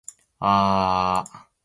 あああああああああああああああああああ